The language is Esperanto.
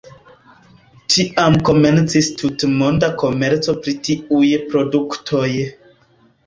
Tiam komencis tutmonda komerco pri tiuj produktoj.